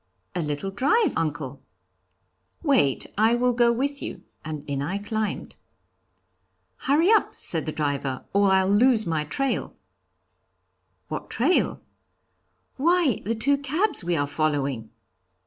'A little drive, uncle.' 'Wait, I will go with you,' and in I climbed. 'Hurry up,' said the driver, 'or I'll lose the trail.' 'What trail?' 'Why, the two cabs we are following.'